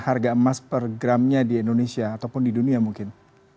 harga emas per gramnya di indonesia ataupun di dunia mungkin